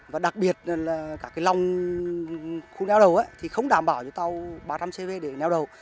và đặc biệt là cả cái lòng khu neo đầu thì không đảm bảo cho tàu ba trăm linh cv để neo đậu